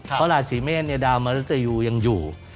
เพราะราศีเมษดาวมริตยูยังอยู่